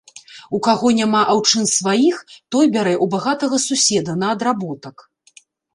У каго няма аўчын сваіх, той бярэ ў багатага суседа на адработак.